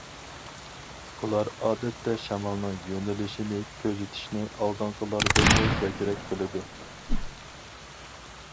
ئۇلار ئادەتتە شامالنىڭ يۆنىلىشىنى كۆزىتىشنى ئالدىنقىلاردىنمۇ بەكرەك بىلىدۇ.